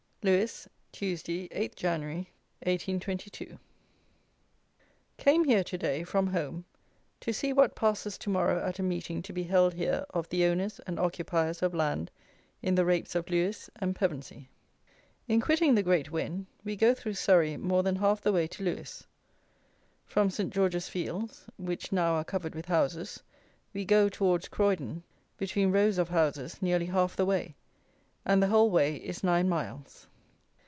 Lewes, Tuesday, 8 Jan., 1822. Came here to day, from home, to see what passes to morrow at a Meeting to be held here of the Owners and Occupiers of Land in the Rapes of Lewes and Pevensey. In quitting the great Wen we go through Surrey more than half the way to Lewes. From Saint George's Fields, which now are covered with houses, we go, towards Croydon, between rows of houses, nearly half the way, and the whole way is nine miles.